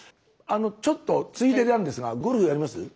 あのちょっとついでなんですがゴルフやります？